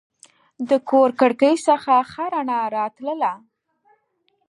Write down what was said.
د کور کړکۍ څخه ښه رڼا راتله.